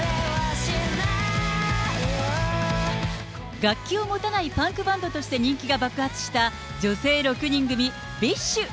楽器を持たないパンクバンドとして人気が爆発した女性６人組、ビッシュ。